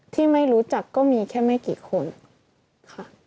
ที่ไม่รู้จักก็มีแค่ไม่กี่คนค่ะ